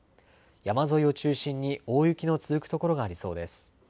山沿いを中心に大雪の続く所がありそうです。